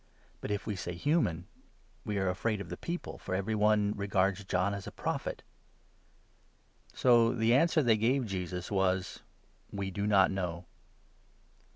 But if we say 'human,' we are afraid of the 26 people, for every one regards John as a Prophet." So the answer they gave Jesus was —" We do not know."